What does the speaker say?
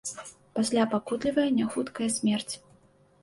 Пасля пакутлівая няхуткая смерць.